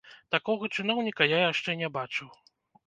Такога чыноўніка я яшчэ не бачыў.